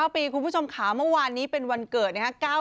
๙ปีคุณผู้ชมขาเมื่อวานนี้เป็นวันเกิดนะครับ